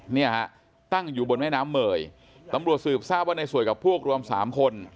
เนี่ยฮะตั้งอยู่บนแม่น้ำเมยตำรวจสืบทราบว่าในสวยกับพวกรวมสามคน